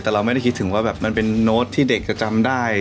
แต่เราไม่ได้คิดถึงว่าแบบมันเป็นโน้ตที่เด็กจะจำได้